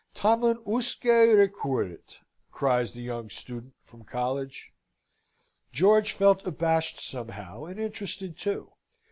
"Tamen usque recurrit!" cries the young student from college. George felt abashed somehow, and interested too.